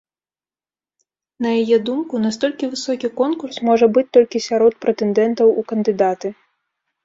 На яе думку, настолькі высокі конкурс можа быць толькі сярод прэтэндэнтаў у кандыдаты.